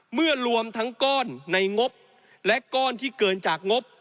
รวมทั้งก้อนในงบและก้อนที่เกินจากงบ